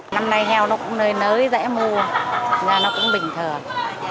năm nay heo nó cũng nơi nới dễ mua nhưng nó cũng bình thường